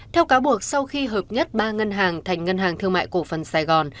theo cáo buộc sau khi hợp nhất ba ngân hàng thành ngân hàng thương mại cổ phần sài gòn